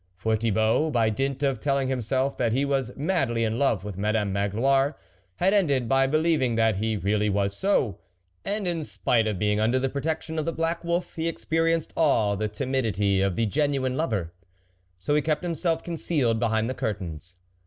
For Thibault, by dint of telling himself that he was madly in love with Madame Magloire, had ended by believing that he really was so, and, in spite of being under the protection of the black wolf, he experienced all the timidity of the genuine lover. So he kept himself concealed behind the curtains.